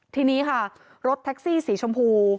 ทีนี้ค่ะรถแท็กซี่สีชมพู